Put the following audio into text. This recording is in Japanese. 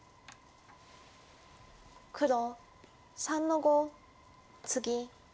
黒３の五ツギ。